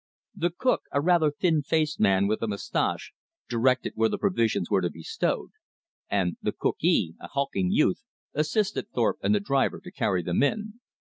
The cook, a rather thin faced man with a mustache, directed where the provisions were to be stowed; and the "cookee," a hulking youth, assisted Thorpe and the driver to carry them in.